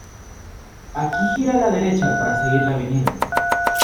Aquí gira a la derecha para seguir la avenida.